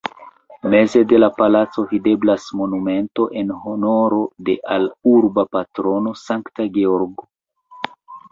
Meze de la placo videblas monumento en honoro de al urba patrono Sankta Georgo.